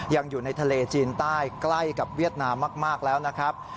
อยู่ในทะเลจีนใต้ใกล้กับเวียดนามมากแล้วนะครับ